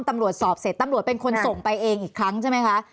ตำรวจสอบเสร็จตำรวจเป็นคนส่งไปเองอีกครั้งใช่ไหมคะ